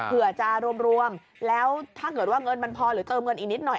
เผื่อจะรวมแล้วถ้าเกิดว่าเงินมันพอหรือเติมเงินอีกนิดหน่อย